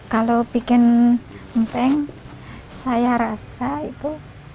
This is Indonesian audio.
kalau bikin empeng saya rasa itu